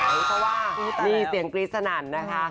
เพราะว่ามีเสียงกรี๊ดสนั่นนะคะ